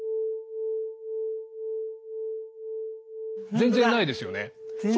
全然ないですよね。